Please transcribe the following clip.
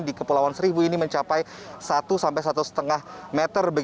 di kepulauan seribu ini mencapai satu sampai satu lima meter